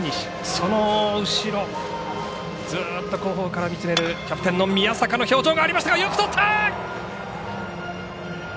その後ろ、ずっと後方から見つめるキャプテンの宮坂の表情がありましたがよくとった。